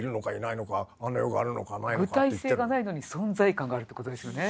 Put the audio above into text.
具体性がないのに存在感があるってことですよね。